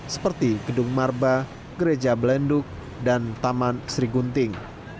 seperti gedung marba gereja belenduk dan taman serigunting